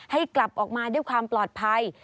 ให้กลับออกมาด้วยความปลอดภัย